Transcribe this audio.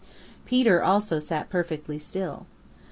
Peter also sat perfectly still.